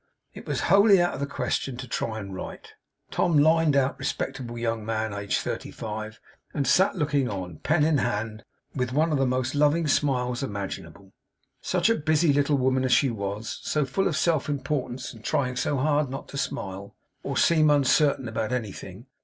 It was wholly out of the question to try to write. Tom lined out 'respectable young man, aged thirty five;' and sat looking on, pen in hand, with one of the most loving smiles imaginable. Such a busy little woman as she was! So full of self importance and trying so hard not to smile, or seem uncertain about anything!